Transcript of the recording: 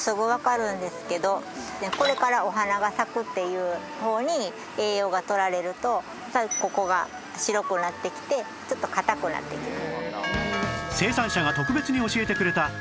これからお花が咲くっていう方に栄養がとられるとここが白くなってきてちょっと硬くなってきます。